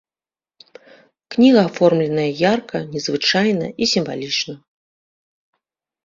Кніга аформленая ярка, незвычайна і сімвалічна.